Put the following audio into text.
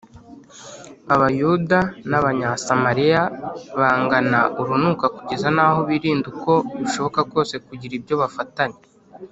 Abayuda n’Abanyasamariya banganaga urunuka, kugeza n’aho birinda uko bishoboka kose kugira ibyo bafatanya